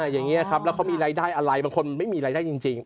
อย่างนี้ครับแล้วเขามีรายได้อะไรบางคนไม่มีรายได้จริง